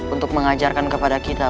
untuk mengajarkan kepada kita